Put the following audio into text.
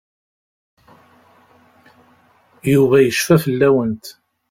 Yuba yecfa fell-awent.